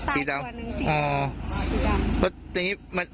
ใช่และก็นางสาวสี่ตัว